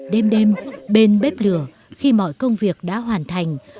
đêm đêm bên bếp lửa khi mọi công việc đã hoàn thành